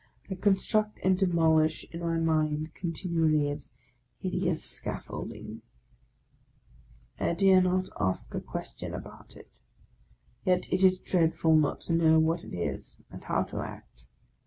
I construct and demolish in my mind continually its hideous scaffolding. I dare not ask a question about it ; yet it is dreadful not to know what it is, and how to act.